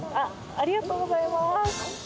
ありがとうございます。